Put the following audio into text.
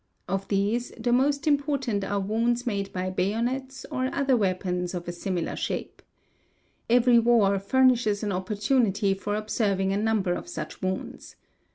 Of these, the most important are wounds made by bayonets or other weapons of a similar shape®®. Every war _ furnishes an opportunity for observing a number of such wounds.